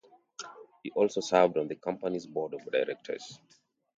He also served on the company's Board of Directors.